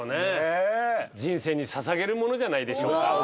人生に捧げるものじゃないでしょうか。